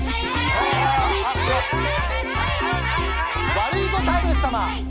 ワルイコタイムス様。